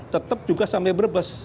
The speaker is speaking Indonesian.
tetap juga sampai berbes